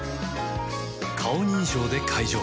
顔認証で解錠